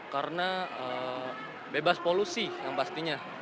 karena bebas polusi yang pastinya